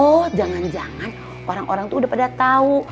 oh jangan jangan orang orang tuh udah pada tahu